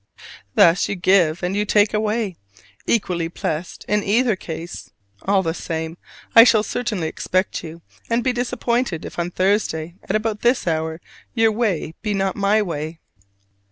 Thus you give and you take away, equally blessed in either case. All the same, I shall certainly expect you, and be disappointed if on Thursday at about this hour your way be not my way.